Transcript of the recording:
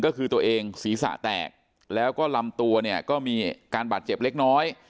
ก็คือตัวเองศีรษะแตกแล้วก็ลำตัวเนี่ยก็มีอาการบาดเจ็บเล็กน้อย